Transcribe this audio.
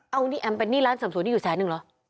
เอ้าแอมซ์เป็นนี่ร้านสำสรุนที่อยู่แสนหนึ่งเหรอ